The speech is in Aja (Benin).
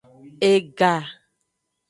Ega.